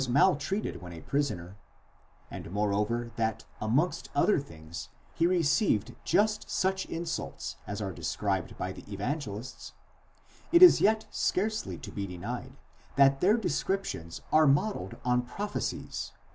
maltreated when a prisoner, and moreover that amongst other things he received just such insults as are described by the Evangelists: it is yet scarcely to be denied, that their descriptions are modelled on prophecies.